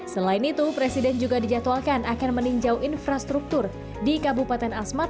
selain itu presiden juga dijadwalkan akan meninjau infrastruktur di kabupaten asmat